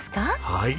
はい。